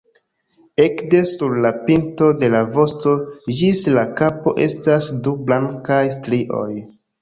Ekde sur la pinto de la vosto ĝis la kapo estas du blankaj strioj.